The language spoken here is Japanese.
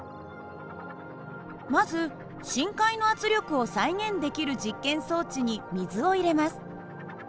まず深海の圧力を再現できる実験装置に水を入れます。